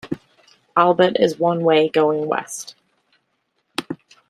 Albert is one way going west.